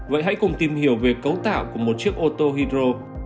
vậy hãy cùng tìm hiểu về cấu tạo của một chiếc ô tô hydro